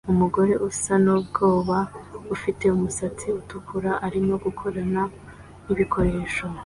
Umugore usa nubwoba ufite umusatsi utukura arimo gukorana nibikoresho